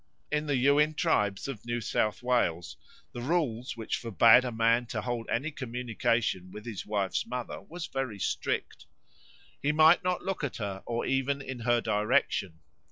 In the Yuin tribes of New South Wales the rule which forbade a man to hold any communication with his wife's mother was very strict. He might not look at her or even in her direction.